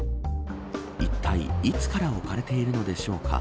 いったいいつから置かれているのでしょうか。